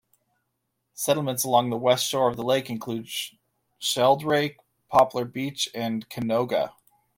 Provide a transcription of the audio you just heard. Settlements along the west shore of the lake include Sheldrake, Poplar Beach, and Canoga.